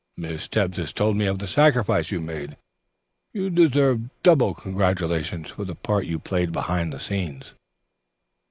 "Miss Tebbs has told me of the sacrifice you made. You deserve double congratulations for the part you played behind the scenes."